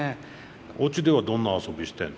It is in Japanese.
おうちではどんな遊びしてんの？